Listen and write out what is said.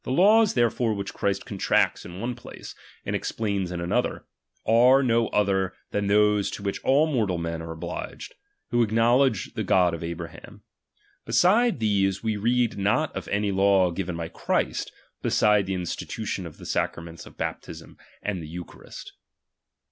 The laws therefore which Christ contracts in one place, and explains in another, are no other than those to which all mortal men are obliged, who acknowledge the God of Abraham. Beside these, we read not of any law given by Christ, beside the institution of the sacraments of baptism and the eucharist.